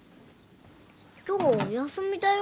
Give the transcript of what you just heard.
今日はお休みだよ。